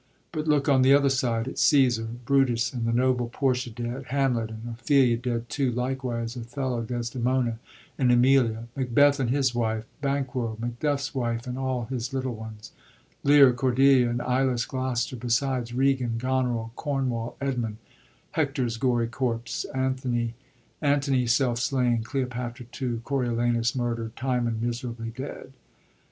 But look on the other side, at Cassar, Brutus and the noble Portia dead; Hamlet and Ophelia dead too; likewise Othello, Desdemona and Emilia ; Macbeth and his wife, Banquo, MacdufTs wife and all his little ones ; Lear, Cordelia and eyeless Gloster, besides Regan, Ooneril, Cornwall, Edmund ; Hector*s gory corpse, Antony self slain, Cleopatra too, Coriolanus murderd, Timon miserably dead.